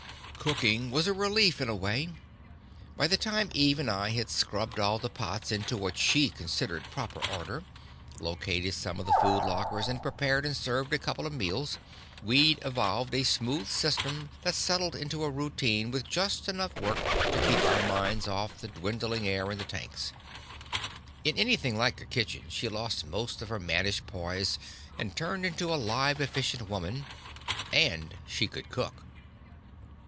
Cooking was a relief, in a way. By the time Eve and I had scrubbed all the pots into what she considered proper order, located some of the food lockers, and prepared and served a couple of meals, we'd evolved a smooth system that settled into a routine with just enough work to help keep our minds off the dwindling air in the tanks. In anything like a kitchen, she lost most of her mannish pose and turned into a live, efficient woman. And she could cook.